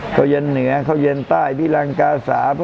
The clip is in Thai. ข้าวเย็นเหนือเข้าเย็นใต้พิรังกาสา